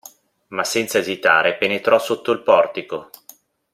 Ma senza esitare penetrò sotto il portico.